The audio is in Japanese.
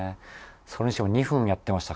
それにしても２分やっていましたか。